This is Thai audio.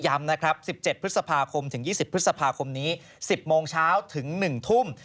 ย้ำ๑๗๒๐พฤษภาคมนี้๑๐โมงเช้าถึง๑ทุ่ม